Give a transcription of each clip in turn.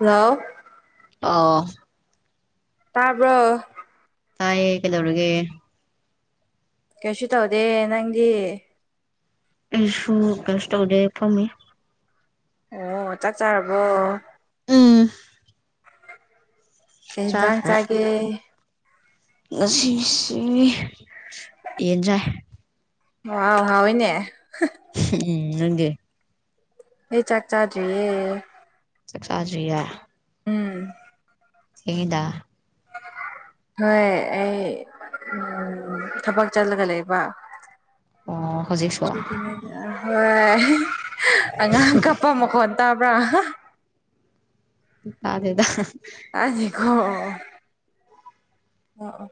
hello ꯑꯥ ꯇꯥꯕ꯭ꯔꯣ ꯇꯥꯏꯌꯦ ꯀꯩꯗꯧꯔꯒꯦ ꯀꯩꯁꯨ ꯇꯧꯗꯦ ꯅꯪꯗꯤ ꯑꯩꯁꯨ ꯀꯩꯁꯨ ꯇꯧꯗꯦ ꯐꯝꯃꯤ ꯑꯣ ꯆꯥꯛ ꯆꯥꯔꯕꯣ ꯎꯝ ꯀꯩ ꯌꯦꯟꯖꯥꯡ ꯆꯥꯈ꯭ꯔꯦ ꯆꯥꯒꯦ ꯉꯁꯤꯁꯤ ꯌꯦꯟꯖꯥꯏ ꯍꯥꯎ ꯍꯥꯎꯅꯦ ꯎꯝ ꯅꯦ ꯑꯩ ꯆꯥꯛ ꯆꯥꯖꯨꯌꯦ ꯆꯛꯁꯖꯕꯤꯦ ꯎꯝ ꯆꯗꯥ ꯍꯣꯏ ꯑꯩ ꯊꯕꯛ ꯆꯠꯂꯒ ꯂꯩꯕ ꯑꯣ ꯍꯧꯖꯤꯛꯁꯨ ꯍꯣꯏ ꯑꯉꯥꯡ ꯀꯄ ꯃꯈꯣꯟ ꯇꯥꯕ꯭ꯔ ꯇꯗꯦꯗ ꯑꯅꯤꯀꯣ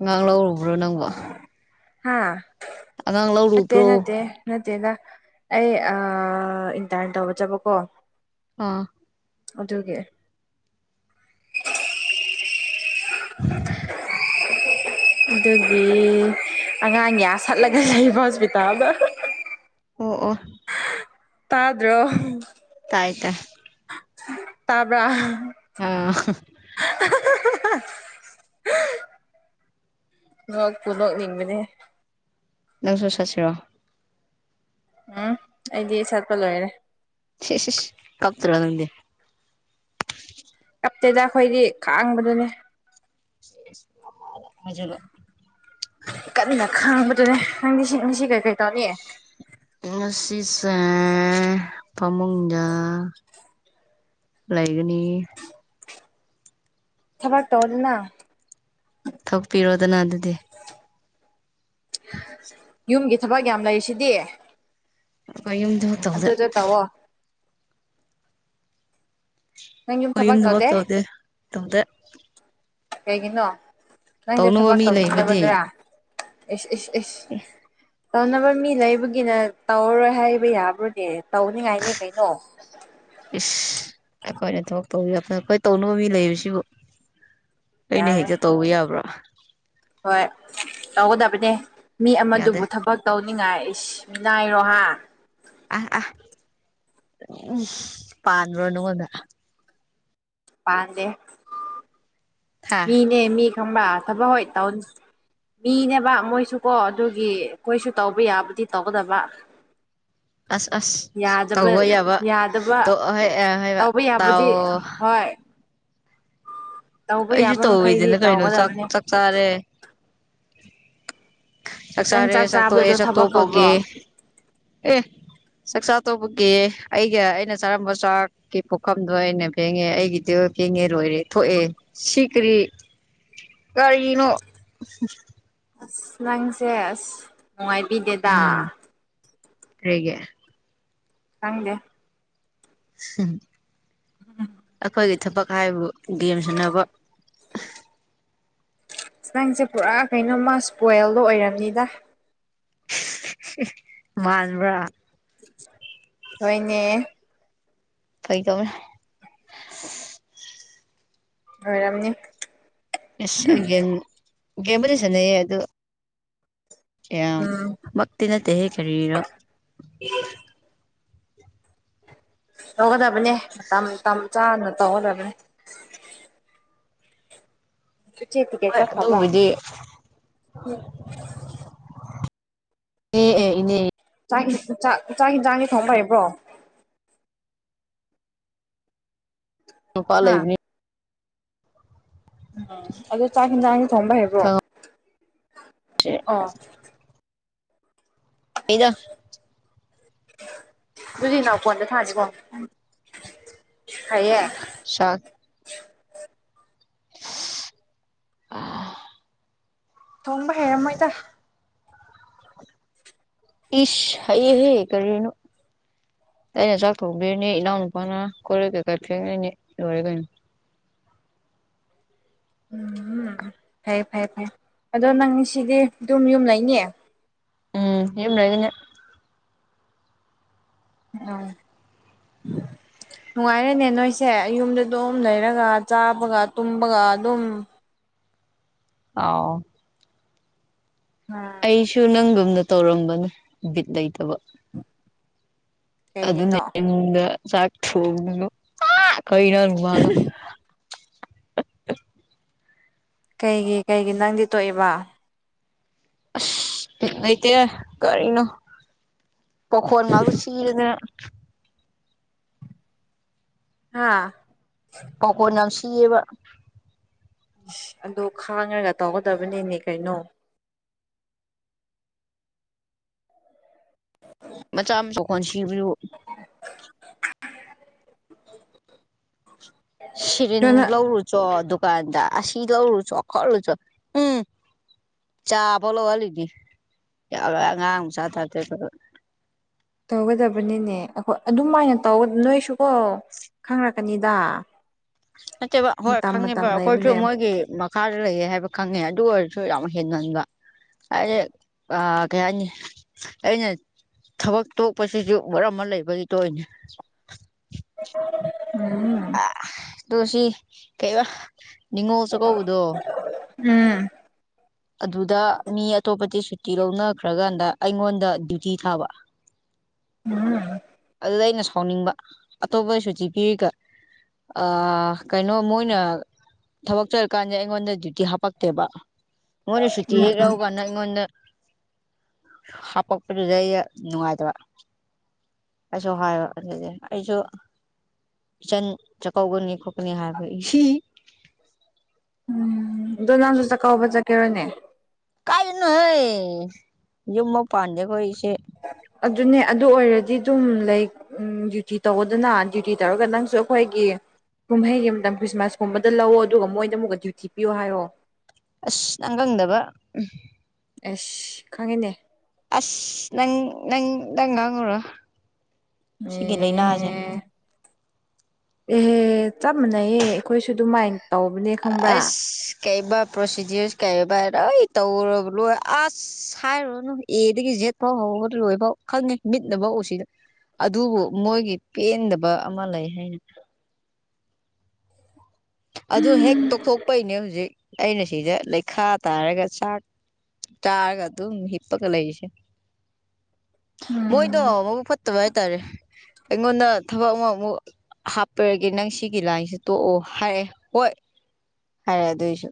ꯑꯉꯥꯡ ꯂꯧꯔꯨꯕ꯭ꯔꯣ ꯅꯪꯕꯣ ꯍꯥꯥ ꯑꯉꯥꯡ ꯃꯠꯇꯦ ꯂꯧꯔꯨꯕ꯭ꯔꯣ ꯅꯠꯇꯦ ꯅꯠꯇꯦꯗ ꯑꯩ ꯏꯟꯇꯥꯔꯟ ꯇꯧꯕ ꯆꯠꯕꯀꯣ ꯑꯥ ꯑꯗꯨꯒꯤ [unintelligible] ꯑꯗꯨꯒꯤ ꯑꯉꯥꯡ ꯌꯥ ꯁꯠꯂꯒ ꯂꯩꯕ ꯍꯣꯁꯄꯤꯇꯥꯜꯗ ꯑꯣ ꯑꯣ ꯇꯥꯗ꯭ꯔꯣ ꯇꯥꯏꯗ ꯇꯕ ꯑꯥ [unintelligible] ꯅ ꯐꯨꯜꯅꯤꯡ ꯅꯤꯡꯃꯤꯅꯦ ꯅꯪꯁꯨ ꯆꯠꯁꯤꯔꯣ ꯎꯝ ꯑꯩꯗꯤ ꯆꯠꯄ ꯂꯣꯏꯔꯦ ꯁꯤ ꯁꯤꯦ ꯀꯞꯇꯔ ꯅꯪꯗꯤꯦ ꯀꯞꯇꯦꯗ ꯑꯩꯈꯣꯏꯗꯤ ꯈꯥꯡꯕꯗꯨꯅꯦ ꯃꯖꯂ ꯏꯀꯠꯅꯤꯅ ꯈꯪꯕꯗꯨꯅꯦ ꯅꯪ ꯁꯤ ꯃꯤꯁꯤ ꯀꯩꯀꯩ ꯇꯧꯅꯤ ꯎ ꯁꯤꯁꯦꯟ ꯐꯃꯨꯖꯥ ꯂꯩꯒꯅꯤ ꯊꯕꯛ ꯇꯧꯗꯅ ꯊꯣꯛꯄꯤꯔꯣꯗꯅ ꯑꯗꯨꯗꯤ [unintelligible] ꯌꯨꯝꯒꯤ ꯊꯕꯛ ꯌꯥꯝ ꯂꯩꯔꯤꯁꯤꯗꯤ ꯀꯩꯌꯨꯝꯗ ꯑꯗꯨꯗ ꯇꯧꯋꯣ ꯅꯪ ꯌꯨꯝ ꯊꯕꯛ ꯇꯧꯗꯦ ꯇꯨꯡꯗ ꯀꯩꯒꯤꯅꯣ ꯅꯪꯁꯦ ꯇꯧꯅꯕ ꯊꯕꯛ ꯃꯤ ꯂꯩꯕꯗꯤ ꯇꯧꯅꯤꯡꯗꯕꯗꯨꯔꯥ ꯏꯁ ꯏꯁ ꯏꯁ ꯇꯧꯅꯕ ꯃꯤ ꯂꯩꯕꯒꯤꯅ ꯇꯧꯔꯔꯣꯏ ꯍꯥꯏꯕ ꯌꯥꯕ꯭ꯔꯨꯗꯤ ꯇꯧꯅꯤꯡꯉꯥꯏꯅꯦ ꯀꯩꯅꯣ ꯏꯁ ꯑꯩꯈꯣꯏꯅ ꯊꯕꯛ ꯇꯧꯕꯤ ꯑꯩꯈꯣꯏ ꯇꯧꯅꯕ ꯃꯤ ꯂꯩꯕꯁꯤꯕꯨ ꯑꯩꯅ ꯌꯥꯔꯦ ꯍꯦꯛꯇ ꯇꯧꯕ ꯌꯥꯕ꯭ꯔꯥ ꯍꯣꯏ ꯇꯧꯒꯗꯕꯅꯦ ꯃꯤ ꯌꯥꯗꯦ ꯑꯃꯗꯨꯕꯨ ꯊꯕꯛ ꯇꯧꯅꯤꯡꯉꯥꯏꯅꯥꯏꯔꯣ ꯍꯥꯏ ꯃꯤꯅꯏꯔꯦ ꯍꯥ ꯑ ꯑ ꯎꯝ ꯄꯥꯟꯕ꯭ꯔꯣ ꯅꯉꯣꯟꯗ ꯄꯗꯦ ꯍꯥ ꯃꯤꯅꯦ ꯃꯤ ꯈꯪꯕ꯭ꯔꯥ ꯊꯕꯛ ꯍꯣꯏ ꯇꯥꯎꯟ ꯃꯤꯅꯦꯕ ꯃꯣꯏꯁꯨ ꯀꯣ ꯑꯗꯨꯒꯤ ꯑꯩꯈꯣꯏꯁꯨ ꯇꯧꯕ ꯌꯥꯕꯨꯗꯤ ꯇꯧꯒꯗꯕ ꯑꯁ ꯑꯁ [inaudible] ꯌꯥꯗꯕ ꯇꯧꯕ ꯌꯥꯕ ꯌꯥꯗꯕ ꯍꯥꯏꯕ ꯇꯧꯕ ꯇꯥꯎ ꯌꯥꯕꯨꯗꯤ ꯍꯣꯏ ꯇꯧꯕ ꯑꯩꯁꯨ ꯌꯥꯕ ꯃꯈꯩꯗꯤ ꯇꯧꯋꯦꯁꯤꯅ ꯀꯩꯅꯣ ꯆꯥꯛ ꯇꯧꯒꯗꯕꯅꯦ ꯆꯥꯛ ꯆꯥꯔꯦ ꯆꯥꯛ ꯅꯪ ꯆꯥꯔꯦ ꯆꯥꯛꯛꯇꯣꯛꯑꯦ ꯆꯥꯕꯗꯨꯗꯣ ꯊꯕꯛ ꯀꯧꯕ꯭ꯔꯣ ꯆꯥꯛꯛꯇꯣꯛꯄꯒꯤ ꯑꯦ ꯆꯥꯛꯆꯥꯥ ꯇꯧꯕꯒꯤ ꯑꯩꯒ ꯑꯩꯅ ꯆꯥꯔꯝꯕ ꯆꯥꯛ ꯀ ꯄꯣꯛꯈꯝꯗꯣ ꯑꯩꯅ ꯐꯦꯡꯉꯦ ꯑꯩꯒꯤꯗꯤ ꯐꯦꯡꯉꯦ ꯂꯣꯏꯔꯦ ꯊꯣꯛꯑꯦ ꯁꯤ ꯀꯔꯤ ꯀꯔꯤꯅꯣ ꯑꯁ ꯅꯪꯁꯦ ꯐꯁ ꯅꯨꯡꯉꯥꯏꯕꯤꯗꯦꯗ ꯎꯝ ꯀꯔꯤꯒꯤ ꯆꯪꯗꯦ ꯑꯩꯈꯣꯏꯒꯤ ꯊꯕꯛ ꯍꯥꯏꯕꯨ ꯒꯦꯝ ꯁꯥꯅꯕ ꯅꯪꯁꯦ ꯄꯨꯔꯥ ꯀꯩꯅꯣꯃ ꯏꯁꯄꯣꯏꯜꯗꯣ ꯑꯣꯏꯔꯝꯅꯤꯗ ꯃꯥꯟꯕꯔ ꯍꯣꯏꯅꯦ ꯐꯩꯗꯧꯅꯦ ꯑꯣꯏꯔꯝꯅꯤ ꯌꯦꯁ ꯑꯩ ꯒꯦꯝ ꯒꯦꯝꯕꯨꯗꯤ ꯁꯥꯟꯅꯩꯌꯦ ꯑꯗꯣ ꯑ ꯎꯝ ꯃꯛꯇꯤ ꯅꯠꯇꯦ ꯍꯦ ꯀꯔꯤꯔꯣ ꯇꯧꯒꯗꯕꯅꯦ ꯃꯇꯝ ꯃꯇꯝ ꯆꯥꯅ ꯇꯧꯒꯗꯕꯅꯦ ꯆꯦꯇ ꯍꯣꯏ ꯀꯦꯀ ꯍꯥꯕ ꯑꯗꯨꯕꯨꯗꯤ ꯏꯅꯦ ꯑꯦ ꯏꯅꯦ ꯆꯥꯛ ꯆꯥꯛ ꯆꯥꯛ ꯌꯦꯟ ꯆꯥꯡꯒꯤ ꯊꯣꯡ ꯐꯔꯤꯕ꯭ꯔꯣ ꯅꯨꯄꯥ ꯍꯥ ꯂꯩꯕꯅꯤ ꯎꯝ ꯑꯗꯣ ꯆꯥꯛ ꯌꯦꯟꯁꯥꯡꯁꯊꯣꯡꯕ ꯍꯥꯏꯕ꯭ꯔꯣ ꯑꯥ ꯍꯗ ꯑꯗꯨꯗꯤ ꯏꯅꯥꯎꯄꯣꯟꯗ ꯊꯥꯁꯤꯕꯣ ꯍꯥꯏꯌꯦ ꯁꯥ [unintelligible] ꯊꯣꯡꯕ ꯍꯩꯔꯝꯃꯣꯏꯗ ꯏꯁ ꯍꯌꯦ ꯍꯩ ꯀꯔꯤꯅꯣ ꯑꯩꯅ ꯆꯥꯛ ꯊꯣꯛꯕꯤꯔꯅꯤ ꯑꯤꯅꯣꯏ ꯅꯨꯄꯟ ꯀꯣꯏ ꯂꯤꯛ ꯀꯦꯀ ꯐꯤꯦꯡꯅꯅꯤ ꯂꯣꯏꯔꯦ ꯀꯩꯅꯣ ꯎꯝ ꯐꯔꯦ ꯐꯔꯦ ꯐꯩꯦ ꯑꯗꯣ ꯅꯪ ꯁꯤꯗꯤ ꯑꯗꯨꯝ ꯌꯨꯝ ꯂꯩꯅꯤꯌꯦ ꯎꯝ ꯌꯨꯝꯅꯒꯅꯦ ꯎꯝ ꯅꯨꯡꯉꯥꯏꯔꯦꯅꯦ ꯅꯣꯏꯁꯦ ꯌꯨꯝꯗ ꯑꯗꯨꯝ ꯂꯩꯔꯒ ꯆꯥꯕꯒ ꯇꯨꯝꯕꯒ ꯑꯗꯨꯝ ꯑꯥꯎ ꯉꯥ ꯑꯩꯁꯨ ꯅꯪꯗꯣꯝꯗ ꯇꯧꯔꯝꯕꯅꯦ ꯕꯤꯠ ꯂꯩꯇꯕ ꯑꯗꯨꯅ ꯀꯩꯒꯤꯅꯣ ꯑꯩꯑꯣꯟꯗꯥ ꯆꯥꯛ [unintelligible] ꯀꯩꯒꯤ ꯀꯩꯒꯤ ꯅꯪꯗꯤ ꯇꯣꯛꯏꯕ ꯑꯁ ꯕꯤꯠ ꯂꯩꯇꯦ ꯀꯔꯤꯅꯣ ꯄꯥꯎꯈꯣꯜ ꯉꯥꯛꯇ ꯁꯤꯗꯅ ꯍꯥꯥ ꯄꯀꯣꯟ ꯌꯥꯝ ꯁꯤꯌꯦꯕ ꯑꯗꯨꯗꯣ ꯈꯥꯡꯉꯒ ꯇꯧꯒꯗꯕꯅꯤꯅꯦ ꯀꯩꯅꯣ ꯃꯆꯥ [unintelligible] ꯁꯤꯔꯤꯟ ꯑꯗꯨꯅ ꯂꯧꯔꯨꯆꯣ ꯗꯨꯀꯥꯟꯗ ꯑꯁꯤ ꯂꯧꯔꯨꯆꯣ ꯈꯣꯠꯂꯨꯆꯣ ꯎꯝ ꯆꯥꯕ ꯂꯧꯍꯜꯂꯤꯅꯤ ꯌꯥꯝ ꯑꯉꯥꯡ ꯃꯆꯥ [unintelligible] ꯇꯧꯒꯗꯕꯅꯤꯅꯦ ꯑꯩꯈꯣꯏ ꯑꯗꯨꯝꯃꯥꯏꯅ ꯇꯧ ꯅꯣꯏꯁꯨꯀꯣ ꯈꯪꯔꯛꯀꯅꯤꯗ ꯅꯠꯇꯦꯕ ꯍꯣꯏ ꯃꯇꯝ ꯈꯪꯉꯤꯕ ꯃꯇꯝ ꯑꯩꯈꯣꯏꯁꯨ ꯂꯩꯕꯅꯦ ꯃꯣꯏꯒꯤ ꯈꯥꯔ ꯂꯩꯌꯦ ꯍꯥꯏꯕ ꯈꯪꯉꯦ ꯑꯗꯨ ꯑꯣꯏꯔꯁꯨ ꯌꯥꯝ ꯍꯦꯟꯃꯟꯕ [unintelligible] ꯀꯩꯍꯥꯏꯅꯤ ꯑꯩꯅ ꯊꯕꯛ ꯇꯣꯛꯄꯁꯤꯁꯨ ꯃꯔꯝ ꯑꯃ ꯂꯩꯕꯒꯤꯗꯣꯅꯤ [unintelligible] ꯑ ꯇꯣ ꯁꯤ ꯀꯩꯕ ꯅꯤꯉꯣꯜ ꯆꯥꯛꯀꯧꯕꯗꯣ ꯎꯝ ꯑꯗꯨꯗ ꯃꯤ ꯑꯇꯣꯞꯄꯗꯤ ꯁꯨꯇꯤ ꯂꯧꯅꯈ꯭ꯔꯀꯥꯟꯗ ꯑꯩꯉꯣꯟꯗ ꯗ꯭ꯌꯨꯇꯤ ꯊꯥꯕ ꯎꯝ ꯑꯗꯨꯗ ꯑꯩꯅ ꯁꯥꯎꯅꯤꯡꯕ ꯑꯇꯣꯞꯄ ꯁꯨꯇꯤ ꯄꯤꯔꯤꯒ ꯑ ꯀꯩꯅꯣ ꯃꯣꯏꯅ ꯊꯕꯛ ꯆꯠꯂꯤꯀꯥꯟꯗ ꯑꯩꯉꯣꯟꯗ ꯗ꯭ꯌꯨꯇꯤ ꯍꯥꯞꯄꯛꯇꯦꯕ ꯃꯣꯏꯅ ꯁꯨꯇꯤ ꯍꯦꯛ ꯂꯧꯔꯀꯥꯟꯗ ꯑꯩꯉꯣꯟꯗ ꯍꯥꯄꯛꯄꯗꯨꯗ ꯑꯩ ꯅꯨꯡꯉꯥꯏꯇꯕ ꯑꯩꯁꯨ ꯍꯥꯏꯕ ꯑꯗꯨꯗꯤ ꯑꯩꯁꯨ ꯏꯆꯟ ꯆꯥꯛꯀꯒꯅꯤ [unintelligible] ꯎꯝ ꯑꯗꯨ ꯅꯪꯁꯨ ꯆꯥꯛꯀꯕ ꯆꯠꯀꯦꯔꯣꯅꯦ ꯀꯥꯏꯅꯍꯣꯏ ꯌꯨꯝꯃꯛ ꯄꯥꯟꯗꯦꯈꯣ ꯏꯁꯦ ꯑꯗꯨꯅꯦ ꯑꯗꯨ ꯑꯣꯏꯔꯗꯤ ꯑꯗꯨꯝ ꯂꯩ ꯎꯝ ꯗ꯭ꯌꯨꯇꯤ ꯇꯧꯑꯣꯗꯅ ꯗ꯭ꯌꯨꯇꯤ ꯇꯧꯔꯒ ꯅꯪꯁꯨ ꯑꯩꯈꯣꯏꯒꯤ ꯀꯨꯝꯍꯩꯒꯤ ꯑꯃ ꯈ꯭ꯔꯤꯁꯃꯥꯁꯀꯨꯝꯕꯗ ꯂꯧꯑꯣ ꯑꯗꯨꯒ ꯃꯣꯏꯅ ꯑꯃꯛ ꯗ꯭ꯌꯨꯇꯤ ꯄꯤꯌꯣ ꯍꯥꯏꯔꯣ ꯑꯁ ꯅꯪ ꯈꯪꯗꯕ ꯎ ꯑꯁ ꯈꯪꯉꯦꯅꯦ ꯑꯁ ꯅꯪ ꯅꯪ ꯅꯪ ꯉꯥꯡꯎꯔꯣ ꯅꯦ ꯍꯦ ꯑꯦꯍꯦ ꯆꯞ ꯃꯥꯟꯅꯩꯌꯦ ꯑꯩꯈꯣꯏꯁꯨ ꯑꯗꯨꯃꯥꯏꯅ ꯇꯧꯕꯅꯦ ꯈꯪꯕ꯭ꯔꯥ ꯑꯥꯁ ꯀꯩꯕ ꯄ꯭ꯔꯣꯁꯤꯗꯤꯌꯔꯁ ꯀꯩꯕ ꯂꯣꯏ ꯇꯧꯔꯕ ꯂꯣꯏ ꯑꯁ ꯍꯥꯏꯔꯨꯔꯅꯨ ꯑꯦꯗꯒꯤ ꯖꯦꯠ ꯐꯥꯎ ꯍꯧꯒ ꯂꯣꯏ ꯐꯥꯎ ꯈꯪꯉꯦ ꯃꯤꯠꯅ ꯐꯧ ꯁꯤꯗ ꯑꯗꯨꯕꯨ ꯃꯣꯏꯒꯤ ꯄꯦꯟꯗꯕ ꯑꯃ ꯂꯩ ꯍꯥꯏꯅ ꯑꯗꯨ ꯍꯦꯛ ꯇꯧꯊꯣꯛꯄꯩꯅꯦ ꯍꯧꯖꯤꯛ ꯑꯩꯅ ꯁꯤꯗ ꯂꯩꯈꯥ ꯇꯥꯔꯒ ꯆꯥꯛ ꯆꯥꯔꯒ ꯑꯗꯨꯝ ꯍꯤꯞꯄꯒ ꯂꯩꯔꯤꯁꯦ [inaudible] ꯃꯣꯏꯗꯣ ꯎꯝ ꯃꯕꯨꯛ ꯐꯠꯇꯕ ꯍꯥꯏꯇꯥꯔꯦ ꯑꯩꯉꯣꯟꯗ ꯊꯕꯛ ꯑꯃꯨꯛ ꯍꯥꯞꯄꯔꯒꯦ ꯅꯪ ꯁꯤꯒꯤ ꯂꯥꯏꯟꯁꯤ ꯇꯣꯛꯑꯣ ꯍꯥꯏꯔꯦ ꯍꯣꯏ ꯍꯥꯏꯔꯦ ꯑꯗꯨꯏꯁꯨ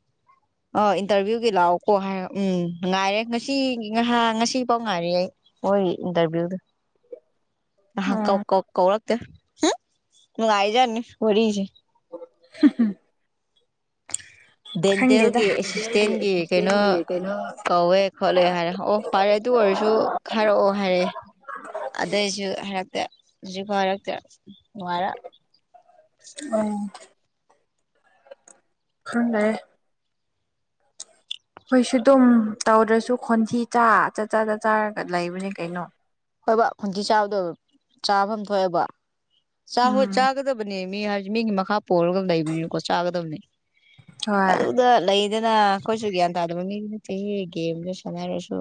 ꯑ ꯏꯟꯇꯔꯚꯤꯌꯨꯗꯤ ꯂꯥꯛꯑꯣꯀꯣ ꯍꯥꯏꯔ ꯎꯝ ꯉꯥꯏꯔꯦ ꯉꯁꯤ ꯉꯍ ꯉꯁꯤ ꯐꯥꯎ ꯉꯥꯏꯔꯤ ꯑꯩ ꯍꯣꯏ ꯏꯟꯇꯔꯚ꯭ꯌꯨꯗꯨ ꯅꯍꯟ ꯀꯧ ꯎꯝ ꯀꯧ ꯀꯧꯔꯛꯇꯦ ꯅꯨꯡꯉꯥꯏꯖꯥꯅꯤ ꯋꯥꯔꯤꯁꯦ [unintelligible] ꯈꯪꯗꯦꯗ ꯗꯦꯟꯇꯦꯜꯒꯤ ꯁꯤꯁꯇꯦꯝꯒꯤ ꯑꯦꯁꯤꯁꯇꯦꯟꯒꯤ ꯀꯩꯅꯣ ꯁꯤꯁꯇꯦꯝꯒꯤ ꯀꯩꯅꯣ ꯀꯧꯋꯦ ꯈꯣꯠꯂꯦ ꯍꯥꯏꯔꯦ ꯑꯣ ꯐꯥꯔꯦ ꯑꯗꯨ ꯑꯣꯏꯔꯁꯨ ꯍꯥꯏꯔꯛꯑꯣ ꯍꯥꯏꯔ‌ꯦ ꯑꯗꯩꯁꯨ ꯍꯥꯏꯔꯛꯇ‌ꯦ ꯍꯨꯖꯤꯛꯐꯥꯎ ꯍꯥꯏꯔꯛꯇ‌ꯦ ꯅꯨꯉꯥꯏꯔ [unintelligible] ꯈꯪꯗꯔ‌ꯦ ꯈ‌ꯣꯏꯁꯨ ꯑꯗꯨꯝ ꯇꯧꯗ꯭ꯔꯁꯨ ꯈꯣꯟꯊꯤ ꯆꯥ ꯆꯠ ꯆꯥ ꯆ ꯆꯥꯔꯒ ꯂꯩꯕꯅꯦ ꯀꯩꯅꯣ ꯍꯣꯏꯕ ꯈꯣꯟꯊꯤ ꯆꯥꯕꯗ‌ꯣ ꯆꯥꯐꯝ ꯊꯣꯛꯑꯦꯕ ꯆꯥ ꯍ‌ꯣꯏ ꯎꯝ ꯆꯥꯒꯗꯕꯅꯤ ꯃꯤ ꯍꯥꯏ ꯃꯤꯒꯤ ꯃꯈꯥ ꯄꯣꯜꯂꯒ ꯂꯩꯕꯅꯤꯅꯀꯣ ꯆꯥꯒꯗꯕꯅꯦ ꯍꯣꯏ ꯑꯗꯨ ꯗ ꯂꯩꯗꯅ ꯑꯩꯈꯣꯏꯁꯨ ꯒ꯭ꯌꯥꯟ ꯇꯥꯗꯕ ꯃꯤꯒꯤ ꯅꯠꯇꯦꯍ‌ꯦ ꯒꯦꯝꯗ ꯁꯥꯟꯅꯔꯁꯨ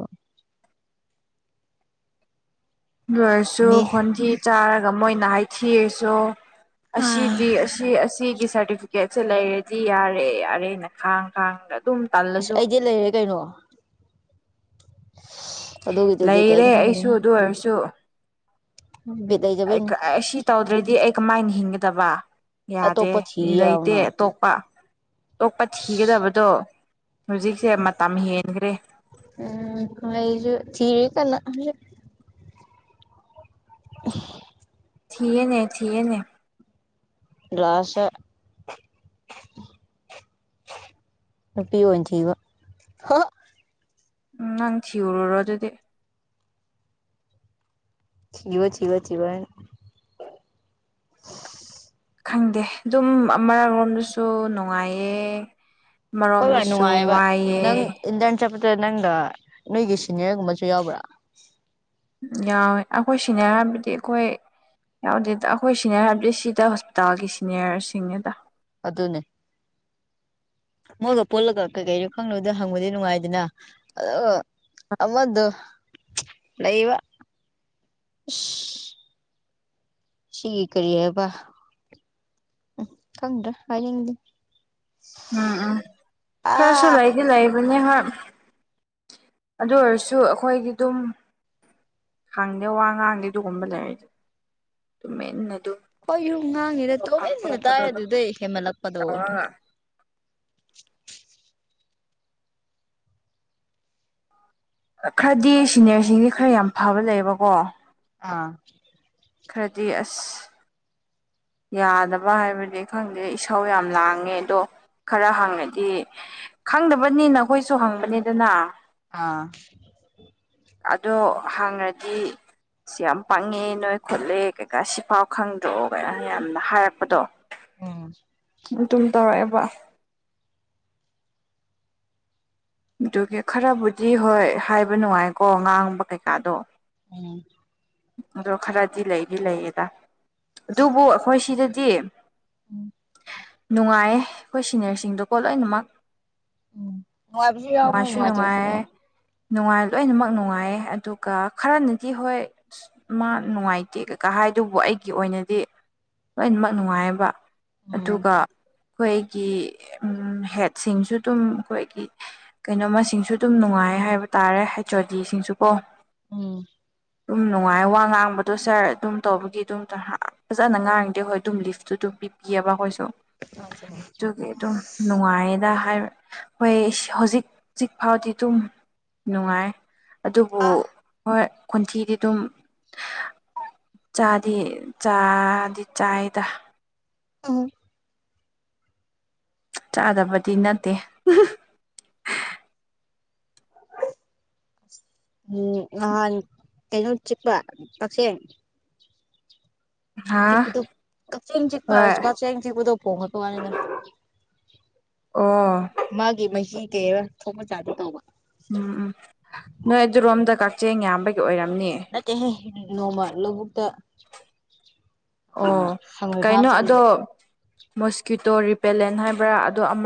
ꯂꯣꯏꯔꯁꯨ ꯃꯤ ꯈꯣꯟꯊꯤ ꯆꯥꯔꯒ ꯃꯣꯏꯅ ꯍꯥꯏꯊꯤꯔꯁꯨ ꯑꯁꯤꯗꯤ ꯑꯁ ꯑꯁꯤ ꯑꯁꯤꯒꯤ ꯁꯔꯇꯤꯐꯤ ꯐꯤꯀꯦꯠꯁꯦ ꯂꯩꯔꯗꯤ ꯌꯥꯔꯦ ꯌꯥꯔꯦꯅ ꯈꯥꯡ ꯈꯥꯡꯉꯒ ꯑꯗꯨꯝ ꯑꯦꯁ ꯇꯜꯂꯁꯨ ꯑꯩꯗꯤ ꯂꯩꯔꯦ ꯀꯩꯅꯣ ꯑꯗꯣꯒꯤꯗꯗꯤ ꯀꯩꯝ ꯂꯩꯔꯦ ꯑꯩꯁꯨ ꯈꯟꯗ‌ꯦꯍ‌ꯦ ꯑꯗꯨ ꯕꯤꯠ ꯑꯩ ꯂꯩꯖꯕꯩꯅꯦ ꯀ ꯑꯁꯤ ꯇꯧꯗ꯭ꯔꯗꯤ ꯑꯩ ꯀꯃꯥꯏꯅ ꯍꯤꯡꯒꯗꯕ ꯌꯥꯗꯦ ꯑꯇꯣꯞꯄ ꯊꯤ ꯃꯤ ꯂꯩꯇꯦ ꯌꯥꯎꯅ ꯑꯇꯣꯞꯄ ꯇꯣꯛꯄ ꯊꯤꯒꯗꯕꯗꯣ ꯍꯧꯖꯤꯛꯁꯦ ꯃꯇꯝ ꯍꯦꯟꯈ꯭ꯔꯦ ꯎꯝ ꯑꯩꯁꯨ ꯊꯤꯔꯤ ꯀꯟꯅ [unintelligible] ꯊꯤꯌꯦꯅꯦ ꯊꯤꯌꯦꯅꯦ ꯂꯥꯁꯗ ꯅꯨꯄꯤ ꯑꯣꯏꯅ ꯊꯤꯕ [unintelligible] ꯎꯝ ꯅꯪ ꯊꯤꯌꯨꯔꯨꯔꯣ ꯑꯗꯨꯗꯤ ꯊꯤꯕ ꯊꯤꯕ ꯊꯤꯕ ꯍꯥꯏꯅ ꯈꯪꯗꯦ ꯑꯗꯨꯝ ꯑꯃꯔꯣꯝꯗꯁꯨ ꯅꯨꯡꯉꯥꯏꯌꯦ ꯍꯣꯏ ꯚꯥꯏ ꯑꯃꯔꯣꯝꯗꯁꯨ ꯅꯨꯡꯉꯥꯏꯌꯦꯕ ꯅꯪ ꯋꯥꯏꯑꯦ ꯏꯟꯇꯔꯟ ꯆꯠꯄꯗ ꯅꯪꯒ ꯅꯣꯏꯒꯤ ꯁꯤꯅꯤꯌꯔꯒꯨꯝꯕꯁꯨ ꯌꯥꯎꯕ꯭ꯔꯥ ꯌꯥꯎꯋꯦ ꯑꯩꯈꯣꯏ ꯁꯤꯅꯤꯌꯥꯔ ꯍꯥꯏꯕꯗꯤ ꯑꯩꯈꯣꯏ ꯌꯥꯎꯗꯦꯗ ꯑꯩꯈꯣꯏ ꯁꯤꯅꯤꯌꯔ ꯍꯥꯏꯕꯗꯤ ꯁꯤꯗ ꯍꯣꯁꯄꯤꯇꯥꯜꯒꯤ ꯁꯤꯅꯤꯌꯔꯁꯤꯡꯅꯤꯗ ꯑꯗꯨꯅꯦ ꯃꯣꯏꯒ ꯄꯨꯜꯂꯒ ꯀꯩꯀꯩꯅ‌ꯣ ꯈꯪꯅꯗ ꯍꯪꯕꯗꯤ ꯅꯨꯡꯉꯥꯏꯗꯅ ꯑꯗꯣ ꯑꯃꯗ‌ꯣ ꯂꯩꯕ ꯏꯁ ꯁꯤꯒꯤ ꯀꯔꯤ ꯍꯥꯏꯕ ꯎꯝ ꯈꯪꯗ꯭ꯔ‌ꯥ ꯍꯥꯏꯅꯤꯡ ꯎꯝ ꯎꯝ ꯈꯔꯁꯨ ꯑꯥ ꯂꯩꯗꯤ ꯂꯩꯕꯅ‌ꯦ ꯍꯣꯏ ꯑꯗꯨ ꯑꯣꯏꯔꯁꯨ ꯑꯩꯈꯣꯏꯒꯤ ꯗꯨꯝ ꯈꯪꯗꯦ ꯋꯥ ꯉꯥꯡꯗꯦ ꯑꯗꯨꯒꯨꯝꯕ ꯂꯩꯔꯗꯤ ꯇꯨꯃꯤꯟꯅ ꯑꯗꯨꯝ ꯈ‌ꯣꯏꯁꯨ ꯉꯥꯡꯗ‌ꯦꯗ ꯇꯧꯐꯝ ꯇꯣꯃꯤꯟꯅ ꯇꯥꯏ ꯊꯣꯛꯄꯗꯣ ꯑꯗꯨꯝ ꯑꯗꯨꯗꯩ ꯍꯦꯟꯃꯟꯂꯛꯄꯗꯣ ꯇꯧꯔꯒ ꯈꯔꯗꯤ ꯁꯤꯅꯤꯌꯔꯁꯤꯡꯗꯤ ꯈꯔ ꯌꯥꯝ ꯐꯕ ꯂꯩꯌꯦꯕꯀꯣ ꯑꯥ ꯈꯔꯗꯤ ꯑꯁ ꯌꯥꯗꯕ ꯍꯥꯏꯕꯗꯤ ꯈꯪꯗꯦ ꯏꯁꯧ ꯌꯥꯝ ꯂꯥꯡꯉꯦ ꯑꯗꯣ ꯈꯔ ꯍꯪꯉꯗꯤ ꯈꯪꯗꯕꯅꯤꯅ ꯈꯣꯏꯁꯨ ꯍꯪꯕꯅꯤꯗꯅ ꯑꯥ ꯑꯗꯣ ꯍꯪꯔꯗꯤ ꯁꯤ ꯌꯥꯝ ꯄꯥꯡꯉꯦ ꯅꯣꯏ ꯈꯣꯠꯂꯦ ꯀꯩꯀꯥ ꯁꯤꯐꯥꯎ ꯈꯪꯗ꯭ꯔꯣ ꯀ ꯌꯥꯝꯅ ꯍꯥꯏꯔꯛꯄꯗꯣ ꯎꯝ [unintelligible] ꯇꯨꯝ ꯇꯧꯔꯛꯑꯦꯕ ꯑꯗꯨꯒꯤ ꯈꯔꯕꯨꯗꯤ ꯍꯣꯏ ꯍꯥꯏꯕ ꯅꯨꯡꯉꯥꯏꯀꯣ ꯉꯥꯡꯕ ꯀꯩꯀꯥꯗꯣ ꯎꯝ ꯑꯗꯣ ꯈꯔꯗꯤ ꯂꯩꯗꯤ ꯂꯩꯌꯦꯗ ꯑꯗꯨꯕꯨ ꯑꯩꯈꯣꯏ ꯁꯤꯗꯗꯤ ꯎꯝ ꯅꯨꯡꯉꯥꯏꯌꯦ ꯑꯩꯈꯣꯏ ꯁꯤꯅꯤꯌꯔꯁꯤꯡꯗꯀꯣ ꯂꯣꯏꯅꯃꯛ ꯎꯝ ꯅꯨꯡꯉꯥꯏꯕꯁꯨ ꯌꯥꯎꯕꯅꯦ ꯃꯉꯁꯨ ꯅꯨꯡꯉꯥꯏꯇꯕꯁꯨ ꯅꯨꯡꯉꯥꯏ ꯌꯥꯎꯕ ꯅꯨꯡꯉꯥꯏ ꯂꯣꯏꯅꯃꯛ ꯅꯨꯡꯉꯥꯏꯌꯦ ꯑꯗꯨꯒ ꯈꯔꯅꯗꯤ ꯍꯣꯏ ꯑꯁ ꯃꯥ ꯅꯨꯡꯉꯥꯏꯇꯦ ꯀꯩꯀꯥ ꯍꯥꯏꯗꯨꯕꯨ ꯑꯩꯒꯤ ꯑꯣꯏꯅꯗꯤ ꯂꯣꯏꯅꯃꯛ ꯅꯨꯡꯉꯥꯏꯕ ꯎꯝ ꯑꯗꯨꯒ ꯑꯩꯈꯣꯏꯒꯤ ꯍꯦꯠꯁꯤꯡꯁꯨ ꯑꯗꯨꯝ ꯑꯩꯈꯣꯏꯒꯤ ꯀꯩꯅꯣ ꯃꯁꯤꯡꯁꯨ ꯑꯗꯨꯝ ꯅꯨꯡꯉꯥꯏ ꯍꯥꯏꯕ ꯇꯥꯔꯦ ꯍꯩꯆ ꯑꯣ ꯗꯤꯁꯤꯡꯁꯨ ꯄꯣ ꯎꯝ ꯑꯗꯨꯝ ꯅꯨꯡꯉꯥꯏ ꯋꯥ ꯉꯥꯡꯕꯗꯣ ꯁꯥꯔ ꯑꯗꯨꯝ ꯇꯧꯕꯒꯤ ꯑꯗꯨꯝ ꯐꯖꯅ ꯉꯥꯡꯅꯤꯡꯗꯦ ꯍꯣꯏ ꯑꯗꯨꯝ ꯂꯤꯐꯇꯨ ꯑꯗꯨꯝ ꯄꯤ ꯀꯑꯕ ꯀꯣꯏꯁꯨꯣ ꯑꯦ ꯑꯗꯨꯒꯤ ꯑꯗꯨꯝ ꯅꯨꯡꯉꯥꯏꯌꯦꯅ ꯍꯥꯏ ꯍꯣꯏ ꯍꯧꯖꯤꯛꯖꯤꯛ ꯐꯥꯎꯗꯤ ꯑꯗꯨꯝ ꯅꯨꯡꯉꯥꯏ ꯑꯗꯨꯕꯨ ꯑꯥ ꯍꯣꯏ ꯈꯣꯟꯊꯤꯗꯤ ꯑꯗꯨꯝ ꯆꯥꯗꯤ ꯆꯥꯗꯤ ꯆꯥꯏꯗ ꯑ ꯆꯥꯗꯕꯗꯤ ꯅꯠꯇꯦ ꯎꯝ ꯑ ꯀꯩꯅꯩꯅ ꯆꯤꯛꯄ ꯄꯁꯦ ꯍꯥ ꯆꯤꯛꯄꯗ ꯀꯆꯤꯡ ꯆꯤꯛꯄ ꯍꯣꯏ ꯀꯛꯆꯤꯡ ꯆꯤꯛꯄꯗ ꯐꯣꯡꯉꯄꯅꯤꯗ ꯑꯣ ꯃꯥꯒꯤ ꯃꯍꯤ ꯀꯦꯕ ꯊꯣꯡ ꯃꯆꯥꯗꯤ ꯇꯧꯕ ꯎꯝ ꯎꯝ ꯅꯣꯏ ꯑꯗꯨꯔꯣꯝꯗ ꯀꯛꯆꯤꯡ ꯌꯥꯝꯕꯒꯤ ꯑꯣꯏꯔꯝꯅꯤ ꯅꯠꯇꯦꯍ ꯅꯣꯡꯃ ꯂꯧꯕꯨꯛꯇ ꯑ ꯑꯣ ꯍꯪꯉꯣꯏ ꯐꯥꯕ ꯀꯩꯅꯣ ꯆꯠꯂꯨꯕ ꯑꯗꯣ ꯃꯣꯁꯀꯤ꯭ꯇꯣ ꯔꯤꯄꯦꯂꯦꯟ ꯍꯥꯏꯕ꯭ꯔꯥ ꯑꯗꯣ ꯑꯃ